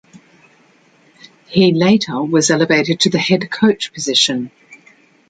He later was elevated to the head coach position.